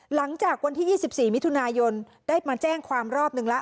หลังจากวันที่๒๔มิถุนายนได้มาแจ้งความรอบหนึ่งแล้ว